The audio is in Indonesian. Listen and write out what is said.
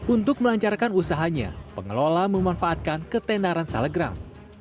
untuk melancarkan usahanya pengelola memanfaatkan ketendaran salegram